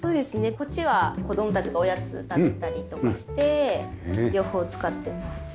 こっちは子供たちがおやつ食べたりとかして両方使ってます。